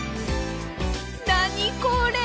何これ！？